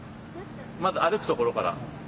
まず歩くところから。